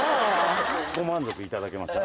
ご満足いただけましたか？